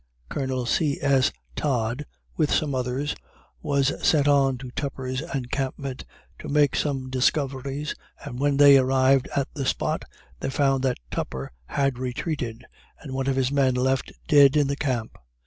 Colonel C. S. Todd, with some others, was sent on to Tupper's encampment to make some discoveries, and when the arrived at the spot they found that Tupper had retreated, and one of his men left dead in the camp!